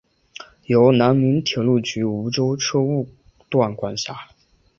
由南宁铁路局梧州车务段管辖。